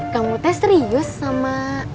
kamu teh serius sama